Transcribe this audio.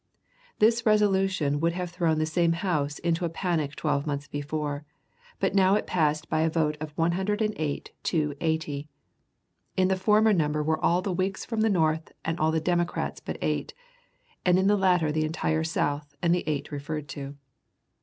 This resolution would have thrown the same House into a panic twelve months before, but now it passed by a vote of 108 to 80 in the former number were all the "Whigs from the North and all the Democrats but eight," and in the latter the entire South and the eight referred to.